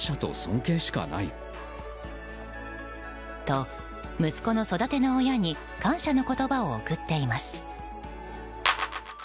と、息子の育ての親に感謝の言葉を贈っています。